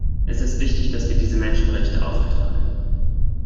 Es ist wichtig, dass wir diese Menschenrechte aufrechterhalten.